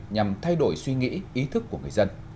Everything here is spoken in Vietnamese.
nhằm thay đổi suy nghĩ ý thức của người dân